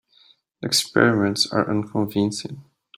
The experiments are unconvincing.